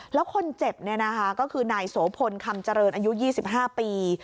แล้วคนเจ็บก็คือนายโสพลคำเจริญอายุ๒๕ปี